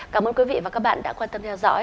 cảm ơn quý vị và các bạn đã quan tâm theo dõi